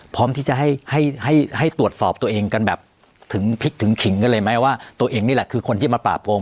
พร้อมที่จะให้ให้ตรวจสอบตัวเองกันแบบถึงพลิกถึงขิงกันเลยไหมว่าตัวเองนี่แหละคือคนที่มาปราบโกง